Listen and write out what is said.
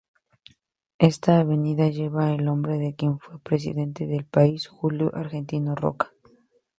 Esta avenida lleva el nombre de quien fue Presidente del país Julio Argentino Roca.